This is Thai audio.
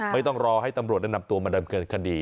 ไม่ต้องรอให้ตำรวจได้นำตัวมาดำเนินคดี